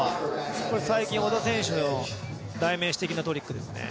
これは最近、織田選手の代名詞的なトリックですね。